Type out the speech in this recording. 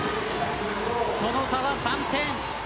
その差は３点。